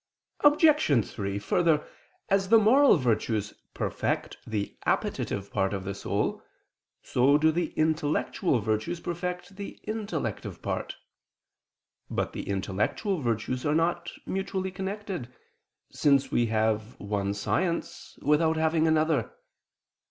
Obj. 3: Further, as the moral virtues perfect the appetitive part of the soul, so do the intellectual virtues perfect the intellective part. But the intellectual virtues are not mutually connected: since we may have one science, without having another.